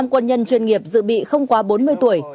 năm quân nhân chuyên nghiệp dự bị không quá bốn mươi tuổi